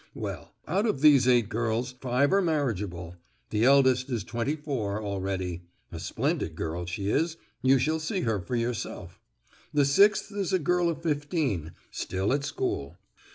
Well, out of these eight girls five are marriageable, the eldest is twenty four already (a splendid girl, she is, you shall see her for yourself). The sixth is a girl of fifteen, still at school.